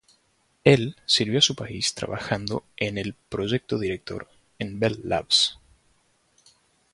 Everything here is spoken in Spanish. Él sirvió a su país trabajando en el "Proyecto Director" en Bell Labs.